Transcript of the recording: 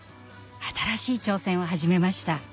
新しい挑戦を始めました。